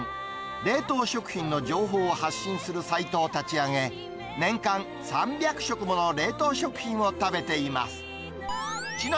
冷凍食品の情報を発信するサイトを立ち上げ、年間３００食もの冷凍食品を食べています。